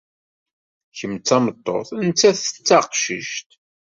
Kem d tameṭṭut, nettat d taqcict.